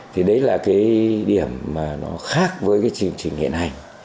thì đấy là điểm khác với chương trình hiện hành